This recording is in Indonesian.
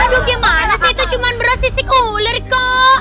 aduh gimana sih itu cuma beras sisi ular kok